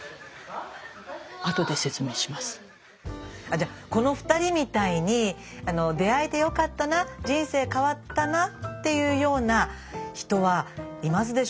じゃこの２人みたいに出会えてよかったな人生変わったなっていうような人はいますでしょうか。